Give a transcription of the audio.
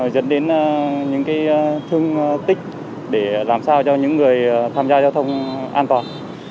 dẫn đến những thương tích để làm sao cho những người tham gia giao thông an toàn